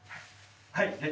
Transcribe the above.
はい。